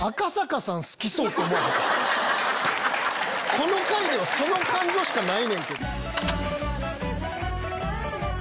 この回ではその感情しかない。